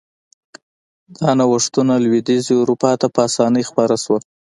دا نوښتونه لوېدیځې اروپا ته په اسانۍ خپاره شول.